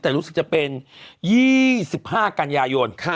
แต่รู้สึกจะเป็น๒๕กันยายน